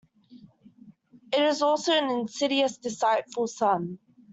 It is also an insidious, deceitful sun.